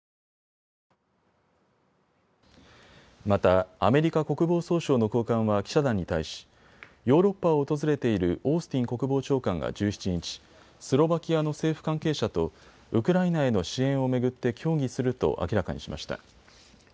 また、アメリカ国防総省の高官は記者団に対しヨーロッパを訪れているオースティン国防長官が１７日、スロバキアの政府関係者とウクライナへの支援を巡って協議すると明らかにしました。